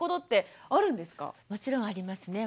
もちろんありますね。